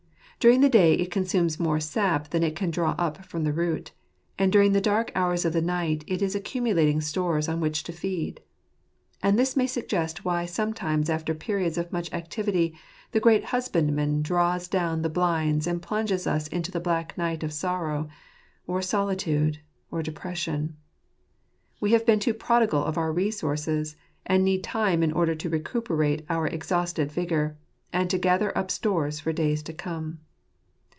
During the day it consumes more sap than it can draw up from the root \ and during the dark hours of night it is accumulating stores on which to feed. And this may suggest why sometimes after periods of much activity the great Husbandman draws down the blinds and plunges us into the black night of sorrow, or soltitude, or depression. We have been too prodigal of our resources, and need time in order to recuperate our exhausted vigour, and to gather up stores for days to come.